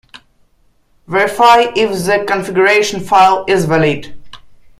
Verify if the configuration file is valid.